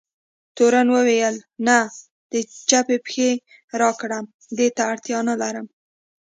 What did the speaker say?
تورن وویل: نه، د چپې پښې راکړه، دې ته اړتیا نه لرم.